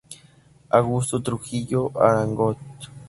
Augusto Trujillo Arango†.